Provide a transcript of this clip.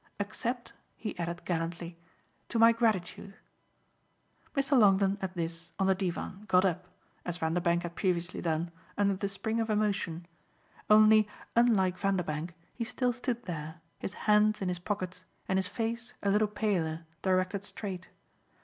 Except," he added gallantly, "to my gratitude." Mr. Longdon, at this, on the divan, got up, as Vanderbank had previously done, under the spring of emotion; only, unlike Vanderbank, he still stood there, his hands in his pockets and his face, a little paler, directed straight.